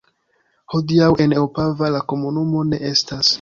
Hodiaŭ en Opava la komunumo ne estas.